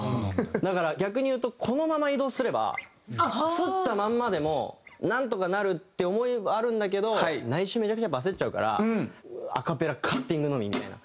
だから逆にいうとこのまま移動すればつったまんまでもなんとかなるって思いはあるんだけど内心めちゃくちゃ焦っちゃうからアカペラカッティングのみみたいな。